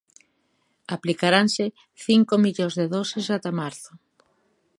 Aplicaranse cinco millóns de doses ata marzo.